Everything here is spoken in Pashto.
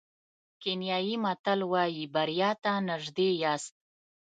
کینیايي متل وایي بریا ته نژدې یاست.